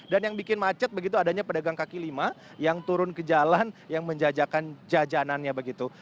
yang bikin macet begitu adanya pedagang kaki lima yang turun ke jalan yang menjajakan jajanannya begitu